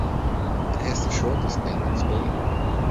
It has the shortest name in Spain.